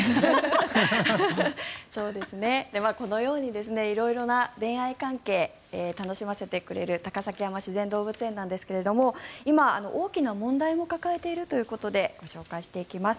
このように色々な恋愛関係楽しませてくれる高崎山自然動物園なんですが今、大きな問題も抱えているということでご紹介していきます。